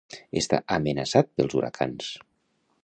Està amenaçat pels huracans.